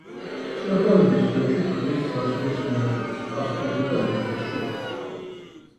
მწვერვალების ჯაჭვი ქმნის საზღვრის მონაკვეთს ავსტრიასა და იტალიას შორის.